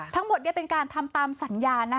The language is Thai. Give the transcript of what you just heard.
ทั้งหมดเป็นการทำตามสัญญา